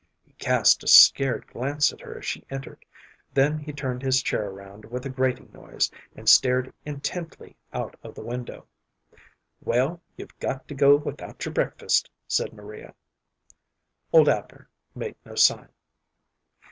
He cast a scared glance at her as she entered; then he turned his chair around with a grating noise, and stared intently out of the window. "Well, you've got to go without your breakfast," said Maria. Old Abner made no sign.